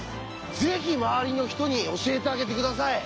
ぜひ周りの人に教えてあげて下さい。